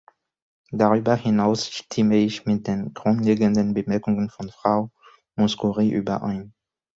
Darüber hinaus stimme ich mit den grundlegenden Bemerkungen von Frau Mouskouri überein.